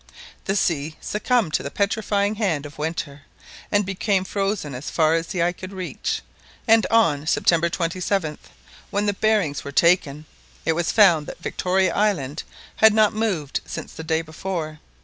The sea succumbed to the petrifying hand of winter, and became frozen as far as the eye could reach, and on September 27th, when the bearings were taken, it was found that Victoria Island had not moved since the day before.